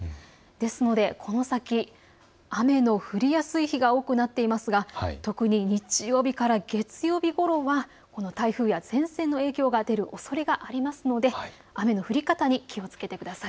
ですのでこの先、雨の降りやすい日が多くなっていますが特に日曜日から月曜日ごろは台風や前線の影響が出るおそれがありますので雨の降り方に気をつけてください。